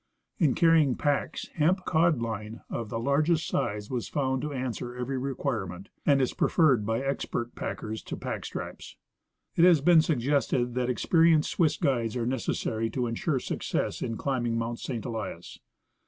In carrying packs, hemp " cod line " of the largest size was found to answer every requirement, and is preferred by expert packers to pack straps. It has been suggested that experienced Swiss guides are neces sary to ensure success in climbing Mount St. Elias.